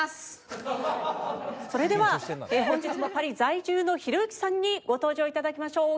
それでは本日もパリ在住のひろゆきさんにご登場頂きましょう。